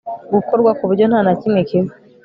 gukorwa ku buryo nta na kimwe kiba